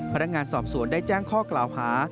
พนักงานสอบสวนได้แจ้งข้อกล่าวหา